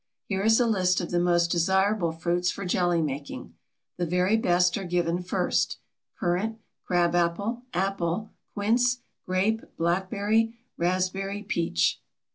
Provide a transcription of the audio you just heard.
Here is a list of the most desirable fruits for jelly making. The very best are given first: Currant, crab apple, apple, quince, grape, blackberry, raspberry, peach.